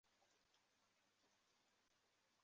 而且所用的引发剂制备简单而且比较便宜。